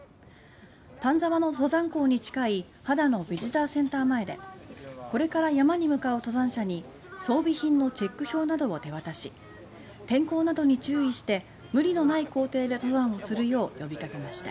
丹沢の登山口に近い秦野ビジターセンター前でこれから山に向かう登山者に装備品のチェック表などを手渡し天候などに注意して無理のない行程で登山をするよう呼びかけました。